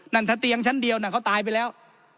นั่นถ้าเตียงชั้นเดียวน่ะเขาตายไปแล้ว